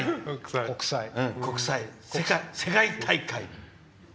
国際世界大会。